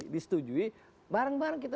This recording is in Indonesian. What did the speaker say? disetujui bareng bareng kita